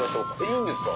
いいんですか？